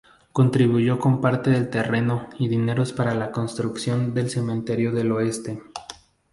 Contribuyó con parte del terreno y dineros para la construcción del Cementerio del Oeste.